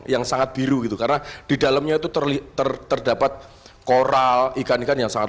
yang sangat biru gitu karena di dalamnya itu terlihat terdapat koral ikan ikan yang sangat